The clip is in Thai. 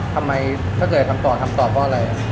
ทำไมถ้าเกิดอยากทำต่อทำต่อเพราะอะไร